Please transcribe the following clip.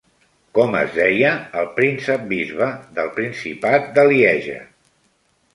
Com es deia el príncep-bisbe del principat de Lieja?